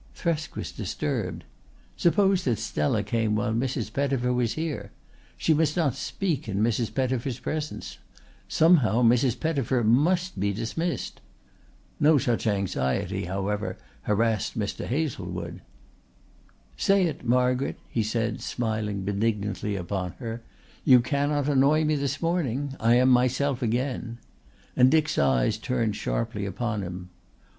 Thresk was disturbed. Suppose that Stella came while Mrs. Pettifer was here! She must not speak in Mrs. Pettifer's presence. Somehow Mrs. Pettifer must be dismissed. No such anxiety, however, harassed Mr. Hazlewood. "Say it, Margaret," he said, smiling benignantly upon her. "You cannot annoy me this morning. I am myself again," and Dick's eyes turned sharply upon him.